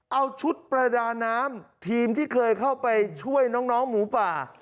เอาชุดประดาน้ำทีมที่เคยเข้าไปช่วยน้องหมูป่า